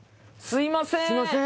すいません